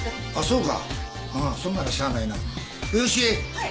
はい。